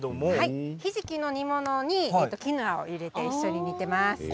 ひじきの煮物にキヌアを入れて一緒に煮ています。